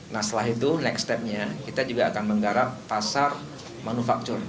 nah setelah itu next step nya kita juga akan menggarap pasar manufaktur